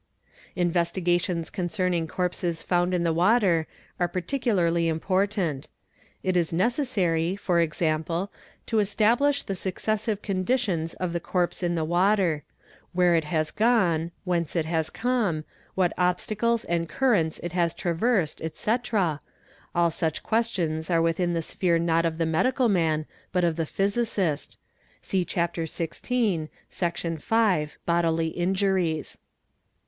Investigations concerning corpses found in the water are particularly _ important; it 1s necessary e.g., to establish the successive conditions of the corpse in the water; where it has gone, whence it has come, what obstacles and currents it has traversed, etc., all such questions are within the sphere not of the medical man but of the physicist (see Chap. VJ, Sec. v, Bodily Injuries.)